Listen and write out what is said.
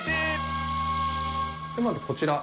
まずこちら。